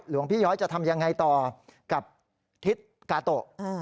หลวงพี่ย้อยจะทำยังไงต่อกับทิศกาโตะ